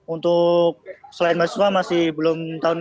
untuk kemudian saya akan mencari teman teman saya yang masih belum ditemukan